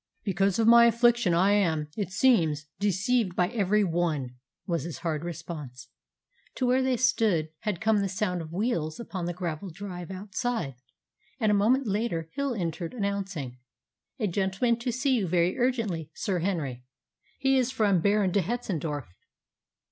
"Because of my affliction I am, it seems, deceived by every one," was his hard response. To where they stood had come the sound of wheels upon the gravelled drive outside, and a moment later Hill entered, announcing, "A gentleman to see you very urgently, Sir Henry. He is from Baron de Hetzendorf."